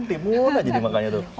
timun aja dimakannya tuh